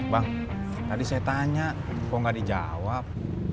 bang tadi saya tanya kok gak dijawab